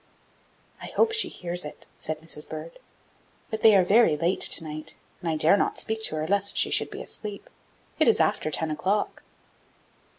"I hope she hears it," said Mrs. Bird; "but they are very late to night, and I dare not speak to her lest she should be asleep. It is after ten o'clock."